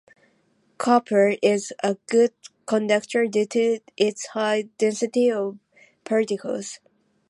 ,Copper, is a good conductor due to its high density of particles.,